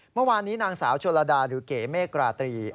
เมื่อวานนี้นางสาวโชลดาหรือเก๋เมกราตรี